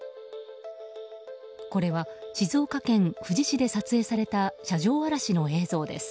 これは静岡県富士市で撮影された車上荒らしの映像です。